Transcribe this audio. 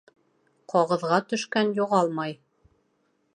Ҡағыҙға төшкән юғалмай.